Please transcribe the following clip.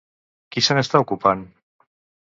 Qui se n'està ocupant?